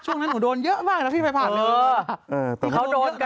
ช่วงนั้นหนูโดนเยอะมากแล้วพี่ไปผ่านเรื่อย